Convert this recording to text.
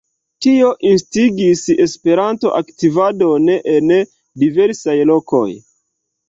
Tio instigis Esperanto-aktivadon en diversaj lokoj.